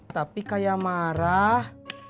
tapi kayak marah